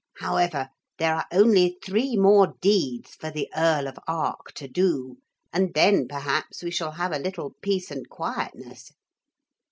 However there are only three more deeds for the Earl of Ark to do, and then perhaps we shall have a little peace and quietness.'